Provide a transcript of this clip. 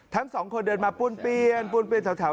ทั้งสองคนเดินมาป้วนเปี้ยนป้วนเปลี่ยนแถว